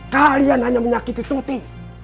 kalian hanya menyakiti tuti